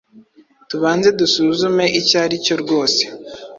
Tubanze dusuzume icyo aricyo rwose.